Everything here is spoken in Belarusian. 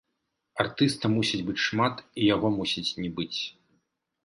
Артыста мусіць быць шмат, і яго мусіць не быць.